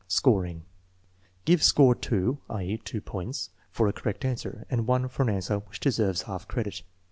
Scoring. Give score , i.e., 2 points, for a correct answer, and 1 for an answer which deserves half credit.